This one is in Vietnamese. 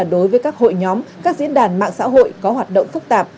đối với các hội nhóm các diễn đàn mạng xã hội có hoạt động phức tạp